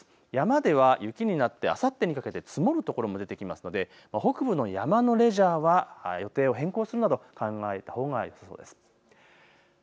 山では雪になってあさってにかけて積もる所も出てきますので北部の山のレジャーは予定を変更するなど考えたほうがいいです。